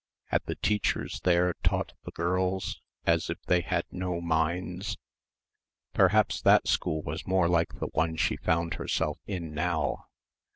Had the teachers there taught the girls ... as if they had no minds? Perhaps that school was more like the one she found herself in now?